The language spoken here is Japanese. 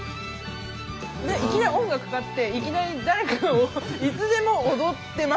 いきなり音楽かかっていきなり誰かがいつでも踊ってますみたいな。